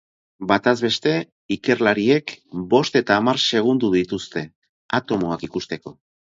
Batez beste, ikerlariek bost eta hamar segundo dituzte atomoak ikusteko.